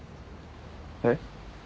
えっ？